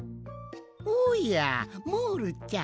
おやモールちゃん。